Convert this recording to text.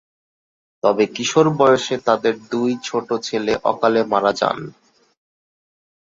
তবে কিশোর বয়সে তাদের দুই ছোট ছেলে অকালে মারা যান।